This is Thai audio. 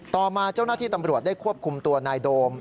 ต่อมาเจ้าหน้าที่ตำรวจได้ควบคุมตัวนายโดม